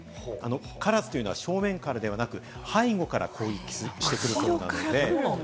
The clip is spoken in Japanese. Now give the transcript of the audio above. カラスというのは正面からではなく、背後から攻撃してくるんです。